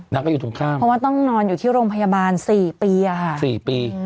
เพราะว่าต้องนอนอยู่ที่โรงพยาบาล๔ปี